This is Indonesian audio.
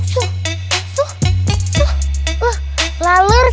su su su lalur